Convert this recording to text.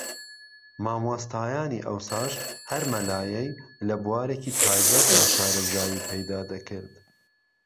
مامۆستایانی ئەوساش ھەر مەلایەی لە بوارێکی تایبەتدا شارەزایی پەیدا دەکرد